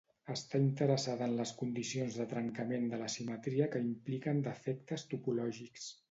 Està interessada en les condicions de trencament de la simetria que impliquen defectes topològics.